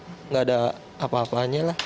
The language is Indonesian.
tidak ada apa apanya lah